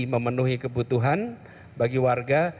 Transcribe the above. memenuhi kebutuhan bagi warga